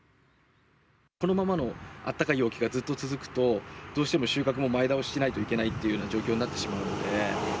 このままのあったかい陽気がずっと続くと、どうしても収穫も前倒ししなきゃいけないという状況になってしま